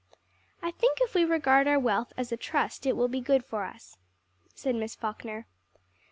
"I think if we regard our wealth as a trust it will be good for us," said Miss Falkner.